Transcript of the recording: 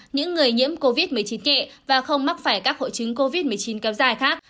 những người nhiễm covid một mươi chín kệ và không mắc phải các hội chứng covid một mươi chín kéo dài khác